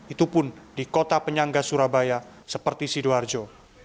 itupun di kota penyangga surabaya seperti sidoarjo